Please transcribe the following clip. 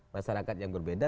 masyarakat yang berbeda